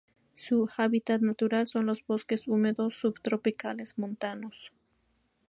Su hábitat natural son los bosques húmedos subtropicales montanos.